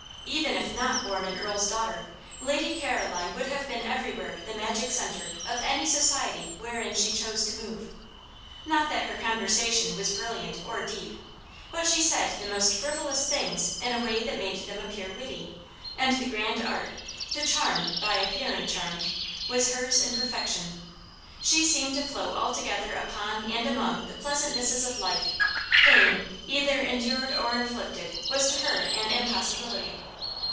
Even if not born an earl's daughter, Lady Caroline would have been everywhere the magic centre of any society wherein she chose to move. Not that her conversation was brilliant or deep, but she said the most frivolous things in a way that made them appear witty; and the grand art, to charm by appearing charmed, was hers in perfection. She seemed to float altogether upon and among the pleasantnesses of life; pain, either endured or inflicted, was to her an impossibility.